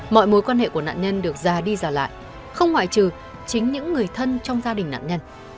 mọi mối quan hệ của nạn nhân được già đi ra lại không ngoại trừ chính những người thân trong gia đình nạn nhân